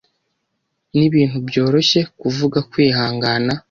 Nibintu byoroshye kuvuga kwihangana